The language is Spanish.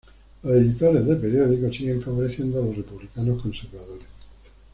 Los editores de periódicos siguen favoreciendo a los republicanos conservadores.